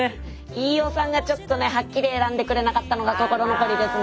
飯尾さんがちょっとねはっきり選んでくれなかったのが心残りですね。